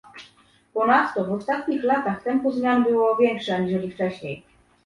Ponadto w ostatnich latach tempo zmian było większe aniżeli wcześniej